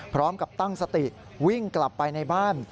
พร้อมกับตั้งสติวิ่งกลับไปในบ้าน